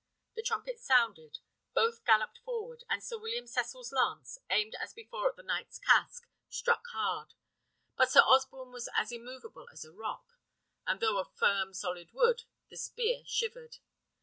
The trumpet sounded; both galloped forward, and Sir William Cecil's lance, aimed as before at the knight's casque, struck hard: but Sir Osborne was as immoveable as a rock; and though of firm, solid wood, the spear shivered.